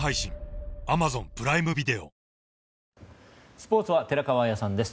スポーツは寺川綾さんです。